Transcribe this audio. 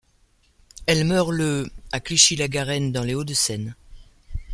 Elle meurt le à Clichy-la-Garenne dans les Hauts-de-Seine.